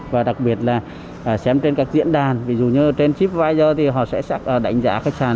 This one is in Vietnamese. và đặc biệt là xem trên các diễn đàn ví dụ như trên shippyer thì họ sẽ đánh giá khách sạn